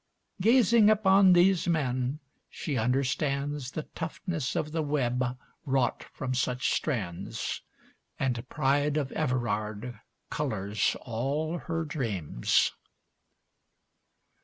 Gazing upon these men, she understands The toughness of the web wrought from such strands And pride of Everard colours all her dreams.